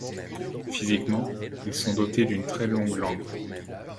Physiquement, ils sont dotés d'une très longue langue.